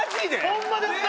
ホンマですか？